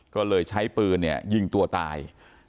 ก็เลยใช้ปืนยิงตัวตาย